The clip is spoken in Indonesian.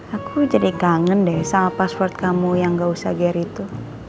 aku jadi kangen deh sama password kamu yang gak usah ger itu